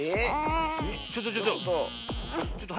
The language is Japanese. ちょっとちょっと。